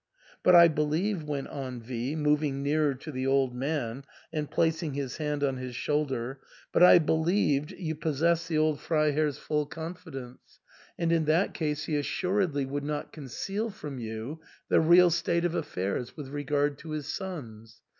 " But I believe," went on V ^ moving, nearer to the old man and placing his hand on his shoulder, " but I believed you possessed the old Frei 3<H THE ENTAIL. heir's full confidence, and in that case he assuredly would not conceal from you the real state of affairs with regard to his sons.